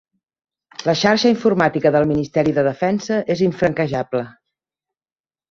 La xarxa informàtica del ministeri de Defensa és infranquejable